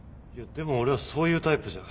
でも俺はそういうタイプじゃ。